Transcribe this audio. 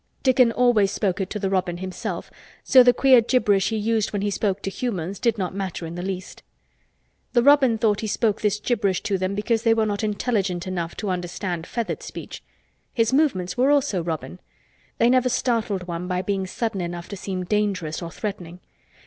Dickon always spoke it to the robin himself, so the queer gibberish he used when he spoke to humans did not matter in the least. The robin thought he spoke this gibberish to them because they were not intelligent enough to understand feathered speech. His movements also were robin. They never startled one by being sudden enough to seem dangerous or threatening.